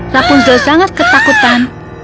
rapunzel sangat ketakutan